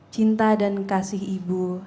cinta dan kasih ibu